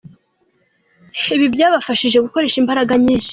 Ibi byabafashije gukoresha imbaraga nyinshi.